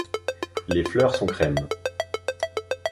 Les fleurs sont crème.